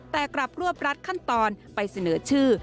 แต่กลับรวบรัดขั้นตอนไปเสนอชื่อ